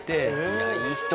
いやいい人。